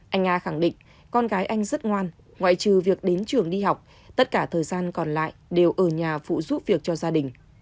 anh a khẳng định con gái anh rất ngoan ngoại trừ việc đến trường đi học tất cả thời gian còn lại đều ở nhà phụ giúp việc cho gia đình